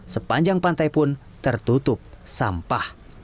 sepanjang pantai pun tertutup sampah